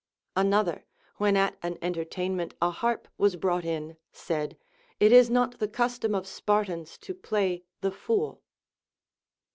Another, when at an entertain ment a harp was brought in, said, It is not the custom of the Spartans to play the fool.